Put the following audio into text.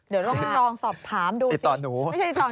เดี๋ยวเราต้องลองสอบถามดูสิติดต่อหนูสิ